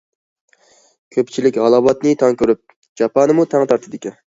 كۆپچىلىك ھالاۋەتنى تەڭ كۆرۈپ، جاپانىمۇ تەڭ تارتىدىكەن.